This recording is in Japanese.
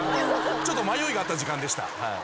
ちょっと迷いがあった時間でした。